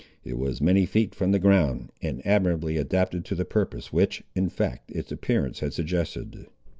It was many feet from the ground, and admirably adapted to the purpose which, in fact, its appearance had suggested.